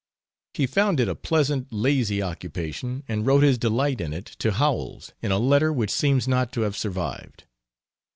He found it a pleasant, lazy occupation and wrote his delight in it to Howells in a letter which seems not to have survived.